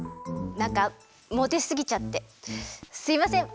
なんかモテすぎちゃってすいません！